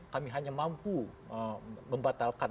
kami hanya mampu membatalkan